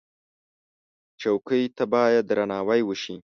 چوکۍ ته باید درناوی وشي.